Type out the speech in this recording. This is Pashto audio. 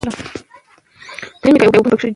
زمرد د افغانستان د زرغونتیا نښه ده.